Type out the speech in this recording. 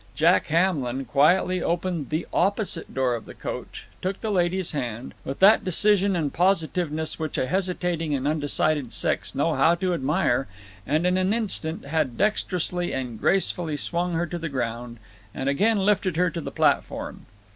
Jack Hamlin quietly opened the OPPOSITE door of the coach, took the lady's hand with that decision and positiveness which a hesitating and undecided sex know how to admire and in an instant had dexterously and gracefully swung her to the ground, and again lifted her to the platform.